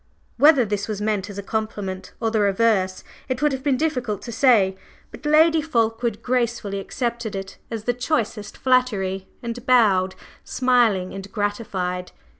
Whether this was meant as a compliment or the reverse it would have been difficult to say, but Lady Fulkeward graciously accepted it as the choicest flattery, and bowed, smiling and gratified.